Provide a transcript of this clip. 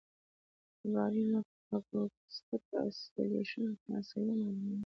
د باریون اکوسټک اوسیلیشن فاصله معلوموي.